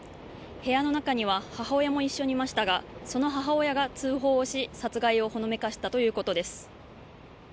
部屋の中には母親も一緒にいましたがその母親が通報をし殺害をほのめかしたということです。